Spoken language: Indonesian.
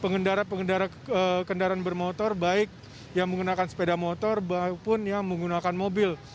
pengendara pengendara kendaraan bermotor baik yang menggunakan sepeda motor maupun yang menggunakan mobil